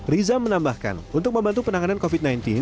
riza menambahkan untuk membantu penanganan covid sembilan belas